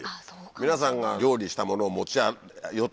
皆さんが料理したものを持ち寄ったりとか。